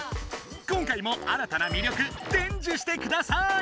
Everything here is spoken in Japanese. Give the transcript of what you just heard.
今回も新たなみりょく伝授してください！